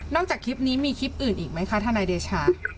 จากคลิปนี้มีคลิปอื่นอีกไหมคะทนายเดชา